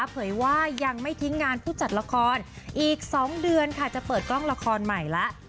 เผยว่ายังไม่ทิ้งงานผู้จัดละครอีก๒เดือนค่ะจะเปิดกล้องละครใหม่แล้ว